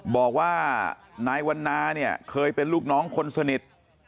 บอกว่านายวันนาเนี่ยเคยเป็นลูกน้องคนสนิท